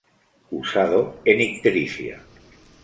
Usado en ictericia.